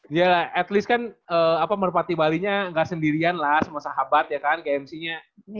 yelah at least kan merpati bali nya gak sendirian lah sama sahabat ya kan gmc nya